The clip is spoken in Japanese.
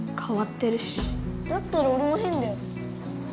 だったらおれもへんだよ！